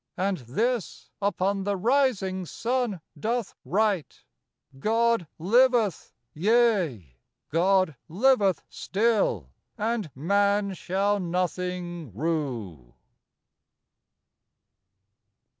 And this, upon the rising sun, doth write:— God liveth, yea, God liveth still and man shall nothing rue.